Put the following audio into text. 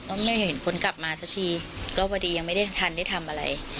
ไม่เห็นคนกลับมาสักทีก็พอดียังไม่ได้ทันได้ทำอะไร